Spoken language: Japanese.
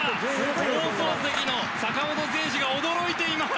放送席の坂本選手が驚いています！